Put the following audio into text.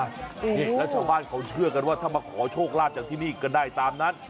นี่แล้วชาวบ้านเขาเชื่อกันว่าถ้ามาขอโชคลาภจากที่นี่ก็ได้ตามนั้น